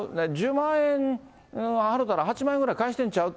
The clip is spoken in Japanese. １０万円はろたら８万円ぐらい返してんちゃう？